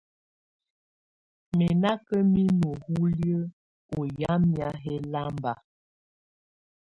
Mɛ̀ nà ka minu uliǝ́ ɔ̀ wamɛ̀á ɛlamba.